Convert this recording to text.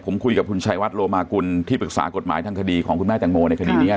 ผมคุยกับคุณชัยวัดโลมากุลที่ปรึกษากฎหมายทางคดีของคุณแม่แตงโมในคดีนี้